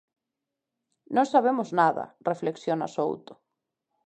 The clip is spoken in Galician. Non sabemos nada, reflexiona Souto.